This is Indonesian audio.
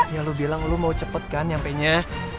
ya lu bilang lu mau cepet kan nyampe nya